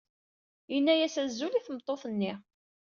Yenna-as azul i tmeṭṭut-nni.